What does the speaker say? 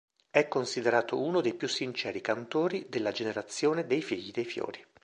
È considerato uno dei più sinceri cantori della generazione dei figli dei fiori.